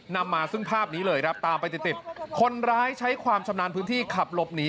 นำมาซึ่งภาพนี้เลยครับตามไปติดติดคนร้ายใช้ความชำนาญพื้นที่ขับหลบหนี